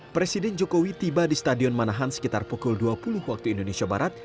presiden jokowi tiba di stadion manahan sekitar pukul dua puluh waktu indonesia barat